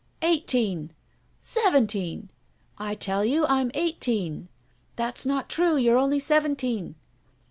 "Eighteen!" "Seventeen!" "I tell you I'm eighteen." "That's not true you're only seventeen!"